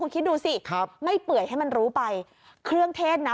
คิดดูสิครับไม่เปื่อยให้มันรู้ไปเครื่องเทศนะ